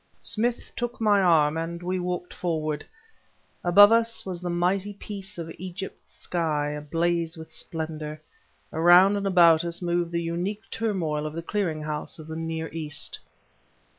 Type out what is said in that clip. Smith took my arm and we walked forward. Above us was the mighty peace of Egypt's sky ablaze with splendor; around and about us moved the unique turmoil of the clearing house of the Near East.